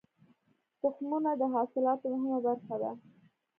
تخمونه د حاصلاتو مهمه برخه ده.